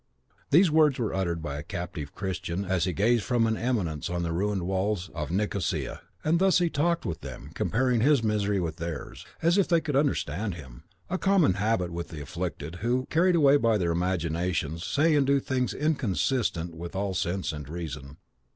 These words were uttered by a captive Christian as he gazed from an eminence on the ruined walls of Nicosia; and thus he talked with them, comparing his miseries with theirs, as if they could understand him,—a common habit with the afflicted, who, carried away by their imaginations, say and do things inconsistent with all sense and reason.